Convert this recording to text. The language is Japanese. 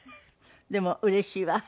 でもうれしいわ。